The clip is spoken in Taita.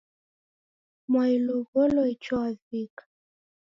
Mwai ulow'olo icho wavika